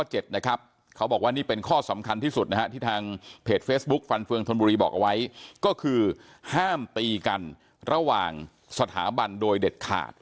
๗ห้ามตีกันระหว่างสถาบันโดยเด็ดขาด